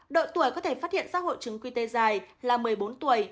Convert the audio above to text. độ tuổi có thể phát hiện ra hộ trứng quy tê dài là một mươi bốn tuổi